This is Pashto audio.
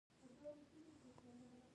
شیدې ورکول د ماشوم لپاره غوره دي۔